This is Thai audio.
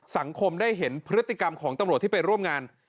สังคมได้เห็นพฤติกรรมของตำรวจที่ไปร่วมงาน